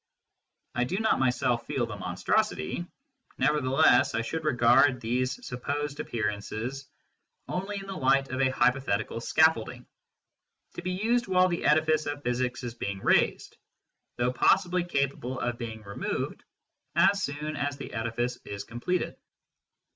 I do not myself feel the monstrosity ; nevertheless I should regard these supposed appearances only in the light of a hypothetical scaffolding, to be used while the edifice of physics is being raised, though possibly capable of being removed as soon as the edifice is completed.